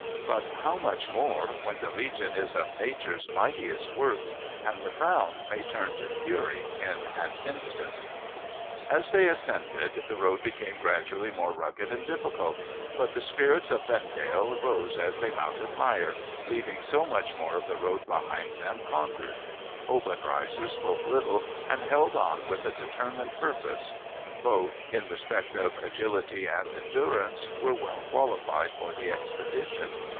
But how much more, when the legion is of Nature's mightiest works, and the frown may turn to fury in an instant ! As they ascended, the road became gradually more rugged and difficult. But the spirits of Vendale rose as they mounted higher, leaving so much more of the road behind them conquered. Obenreizer spoke little, and held on with a determined purpose. Both, in respect of agility and endurance, were well qualified for the expedition.